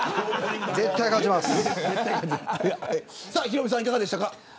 ヒロミさん、いかがでしたか。